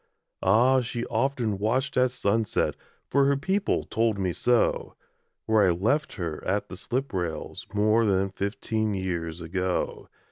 Ah! she often watched at sunset For her people told me so Where I left her at the slip rails More than fifteen years ago.